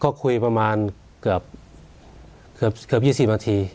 ก็คุยประมาณเกือบเกือบเกือบยี่สิบนาที